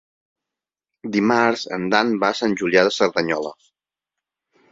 Dimarts en Dan va a Sant Julià de Cerdanyola.